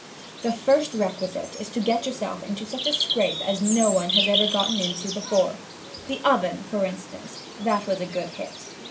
"The first thing requisite is to get yourself into such a scrape as no one ever got into before. The oven, for instance,—that was a good hit.